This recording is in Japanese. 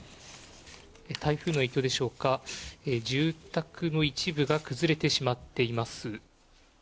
台風の影響でしょうか、住宅の一部が崩れてしまっています。